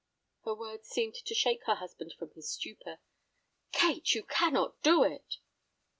Her words seemed to shake her husband from his stupor. "Kate, you cannot do it."